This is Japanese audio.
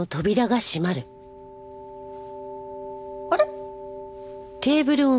あれ？